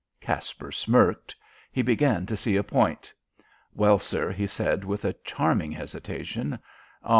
Caspar smirked. He began to see a point. "Well, sir," he said with a charming hesitation.